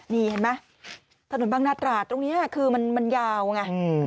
นี่เห็นไหมถนนบางนาตราดตรงนี้คือมันยาวไง